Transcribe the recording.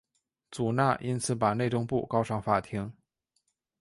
祖纳因此把内政部告上法庭。